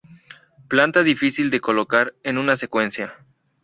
Planta difícil de colocar en una secuencia.